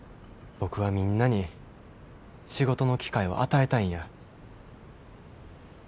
僕はみんなに仕事の機会を与えたいんや。